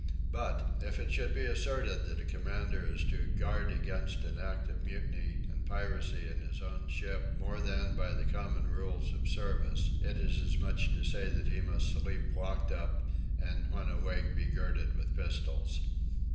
But, if it should be asserted that a commander is to guard against an act of mutiny and piracy in his own ship more than by the common rules of service, it is as much as to say that he must sleep locked up and when awake be girded with pistols.